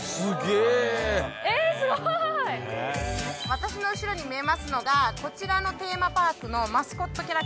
私の後ろに見えますのがこちらのテーマパークの。